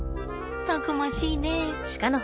たくましいね。